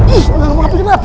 ih mbak be papi kenapa